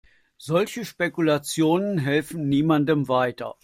Solche Spekulationen helfen niemandem weiter.